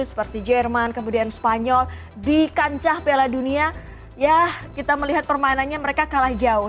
seperti jerman kemudian spanyol di kancah piala dunia ya kita melihat permainannya mereka kalah jauh